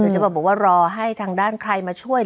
จะบอกว่ารอให้ทางด้านใครมาช่วย